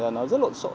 nó rất lộn xộn